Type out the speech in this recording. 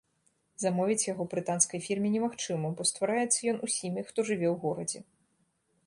Замовіць яго брытанскай фірме немагчыма, бо ствараецца ён усімі, хто жыве ў горадзе.